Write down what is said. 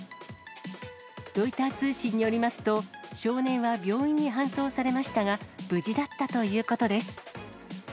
ロイター通信によりますと、少年は病院に搬送されましたが、無事だったということです。